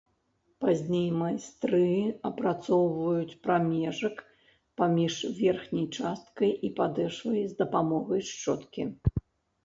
Пазней майстры апрацоўваюць прамежак паміж верхняй часткай і падэшвай з дапамогай шчоткі.